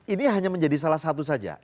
ini hanya menjadi salah satu saja